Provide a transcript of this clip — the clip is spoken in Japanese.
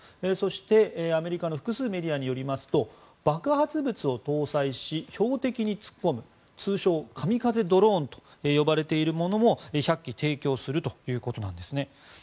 そして、アメリカの複数メディアによりますと爆発物を搭載し、標的に突っ込む通称、神風ドローンと呼ばれているものも１００機提供するということなんです。